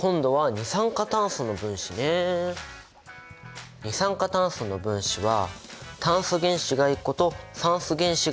二酸化炭素の分子は炭素原子が１個と酸素原子が２個。